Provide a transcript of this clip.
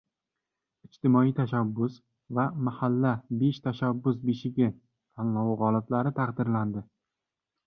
“Ijtimoiy tashabbus” va “Mahalla – besh tashabbus beshigi” tanlovi g‘oliblari taqdirlandi